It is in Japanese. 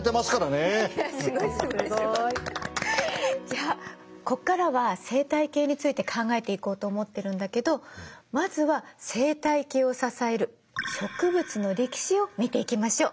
じゃあここからは生態系について考えていこうと思ってるんだけどまずは生態系を支える植物の歴史を見ていきましょ。